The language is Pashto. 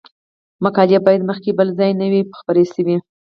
مقالې باید مخکې بل ځای نه وي خپرې شوې.